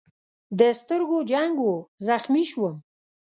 د سترګو جنګ و، زخمي شوم.